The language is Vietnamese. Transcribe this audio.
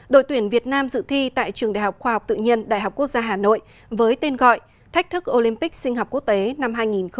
đội tuyển việt nam dự thi tại trường đại học khoa học tự nhiên đại học quốc gia hà nội với tên gọi thách thức olympic sinh học quốc tế năm hai nghìn hai mươi